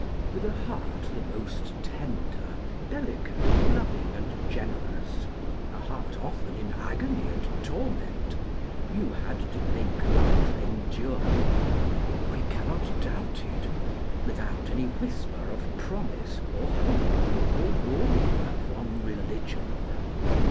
With a heart the most tender, delicate, loving, and generous, a heart often in agony and torment, you had to make life endurable (we cannot doubt it) without any whisper of promise, or hope, or warning from Religion.